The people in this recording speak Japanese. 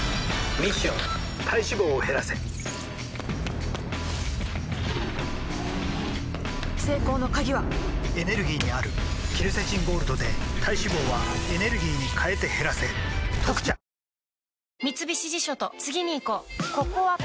ミッション体脂肪を減らせ成功の鍵はエネルギーにあるケルセチンゴールドで体脂肪はエネルギーに変えて減らせ「特茶」・おなかすいたあれ？